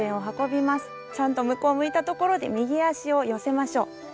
ちゃんと向こう向いたところで右足を寄せましょう。